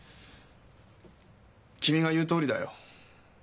君が言うとおりだよ。